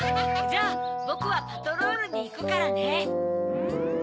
・じゃあぼくはパトロールにいくからね！